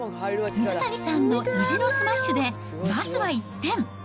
水谷さんの意地のスマッシュでまずは１点。